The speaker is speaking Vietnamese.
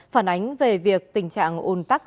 phản ánh về việc tình trạng ồn tắc